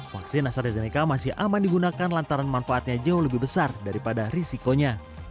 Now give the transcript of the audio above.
vaksin astrazeneca masih aman digunakan lantaran manfaatnya jauh lebih besar daripada risikonya